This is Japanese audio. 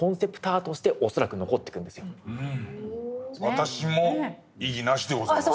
私も異議なしでございます。